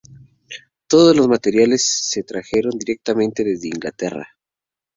Todos los materiales se trajeron directamente desde Inglaterra.